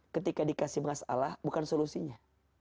ketika dikasih masalah bukan solusinya